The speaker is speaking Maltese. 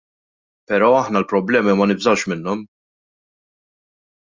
Pero ' aħna l-problemi ma nibżgħux minnhom.